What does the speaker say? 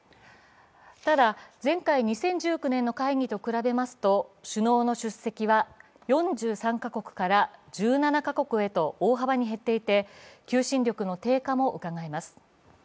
ただ、前回２０１９年の会議と比べますと、首脳の出席は４３か国から１７か国へと大幅に減っていて求心力の低下もうかがえます。